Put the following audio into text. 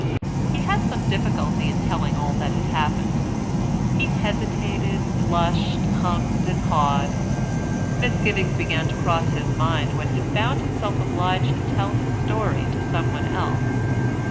He had some difficulty in telling all that had happened. He hesitated, blushed, hummed and hawed. Misgivings began to cross his mind when he found himself obliged to tell his story to someone else.